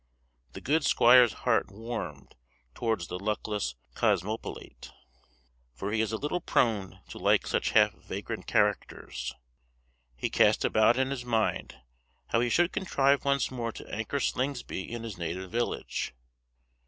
The good squire's heart warmed towards the luckless cosmopolite, for he is a little prone to like such half vagrant characters. He cast about in his mind how he should contrive once more to anchor Slingsby in his native village.